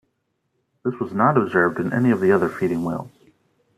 This was not observed in any of the other feeding whales.